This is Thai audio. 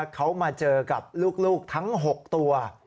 เขามาเจอกับลูกทั้ง๖ตัว